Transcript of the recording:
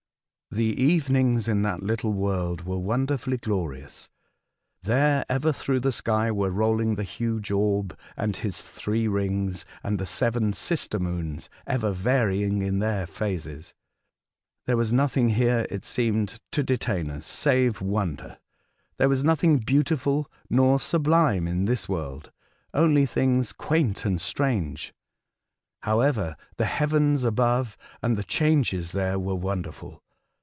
The evenings in that little world were wonderfully glorious. There, ever through the sky, were rolling the huge orb and his three rings, and the seven sister moons ever varying in their phases. There was nothing here, it seemed, to detain us, save wonder ; there was nothing beautiful nor sublime in this world, only things quaint Titan. 185 and strange. However, the heavens above and the changes there were wonderful.